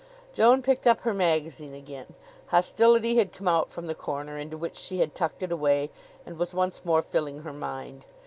Joan picked up her magazine again. Hostility had come out from the corner into which she had tucked it away and was once more filling her mind.